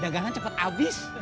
dagangan cepet abis